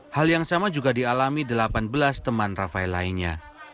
hal yang sama juga dialami delapan belas teman rafael lainnya